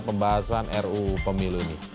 pembahasan ru pemilu ini